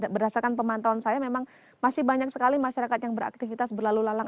berdasarkan pemantauan saya memang masih banyak sekali masyarakat yang beraktivitas berlalu lalang